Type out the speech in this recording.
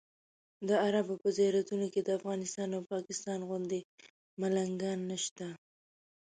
د عربو په زیارتونو کې د افغانستان او پاکستان غوندې ملنګان نشته.